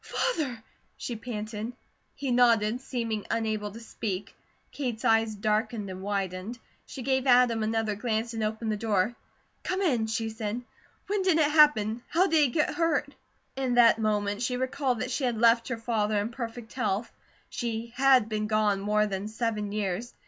"Father ?" she panted. He nodded, seeming unable to speak. Kate's eyes darkened and widened. She gave Adam another glance and opened the door. "Come in," she said. "When did it happen? How did he get hurt?" In that moment she recalled that she had left her father in perfect health, she had been gone more than seven years.